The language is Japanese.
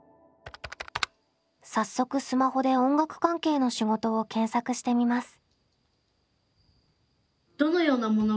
早速スマホで音楽関係の仕事を検索してみます。